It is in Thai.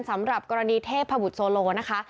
สำหรับกรณีเทพบุตรโซโลนะคะ